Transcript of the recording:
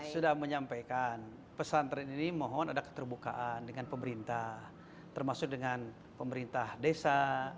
sudah menyampaikan pesantren ini mohon ada keterbukaan dengan pemerintah termasuk dengan pemerintah desa